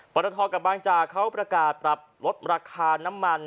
รทกับบางจากเขาประกาศปรับลดราคาน้ำมัน